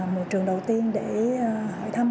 một trường đầu tiên để hỏi thăm